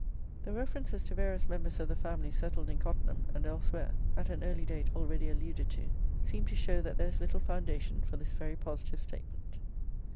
The references to various members of the family settled in Cottenham and elsewhere, at an early date already alluded to, seem to show that there is little foundation for this very positive statement.